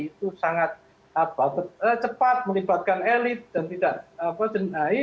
itu sangat cepat melibatkan elit dan tidak jenahi